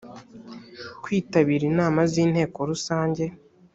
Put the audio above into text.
kwitabira inama z inteko rusange